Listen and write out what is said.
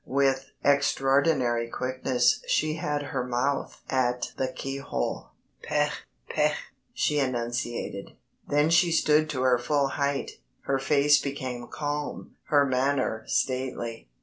With extraordinary quickness she had her mouth at the keyhole: "Peeg, peeg," she enunciated. Then she stood to her full height, her face became calm, her manner stately.